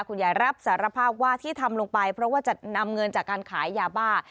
ยายรับสารภาพว่าที่ทำลงไปเพราะว่าจะนำเงินจากการขายยาบ้า